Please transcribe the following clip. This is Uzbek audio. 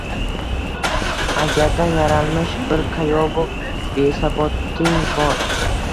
Aziyatdan yaralmish bir kayobu besaboting bor